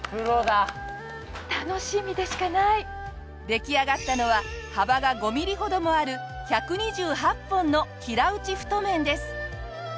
出来上がったのは幅が５ミリほどもある１２８本の平打ち太麺です。